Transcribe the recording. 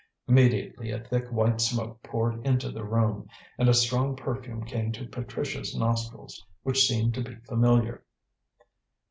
Immediately a thick white smoke poured into the room, and a strong perfume came to Patricia's nostrils, which seemed to be familiar.